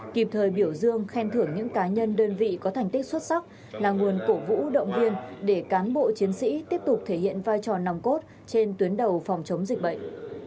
kịp thời biểu dương khen thưởng những cá nhân đơn vị có thành tích xuất sắc là nguồn cổ vũ động viên để cán bộ chiến sĩ tiếp tục thể hiện vai trò nòng cốt trên tuyến đầu phòng chống dịch bệnh